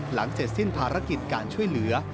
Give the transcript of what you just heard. หลังเสร็จสิ้นภารกิจการช่วยเหลือ